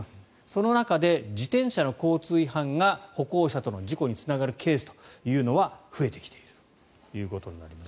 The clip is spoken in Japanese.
その中で自転車の交通違反が歩行者との事故につながるケースというのは増えてきているということになります。